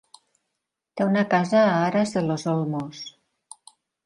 Té una casa a Aras de los Olmos.